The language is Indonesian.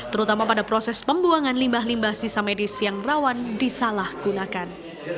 terutama pada proses pembuangan limbah limbah sisa medis yang rawan disalahgunakan